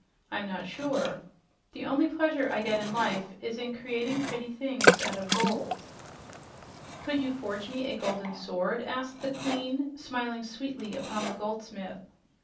I'm not sure. The only pleasure I get in life is in creating pretty things out of gold." "Could you forge me a golden sword?" asked the Queen, smiling sweetly upon the goldsmith.